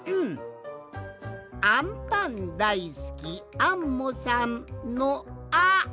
「あんぱんだいすきアンモさん」の「あ」！